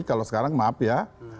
kalau sekarang maaf ya